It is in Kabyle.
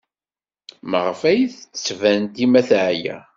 Maɣef ay d-tettban dima teɛya?